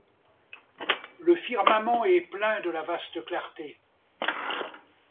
Le firmament est plein de la vaste clarté »